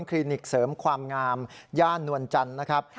ลินิกเสริมความงามย่านนวลจันทร์นะครับ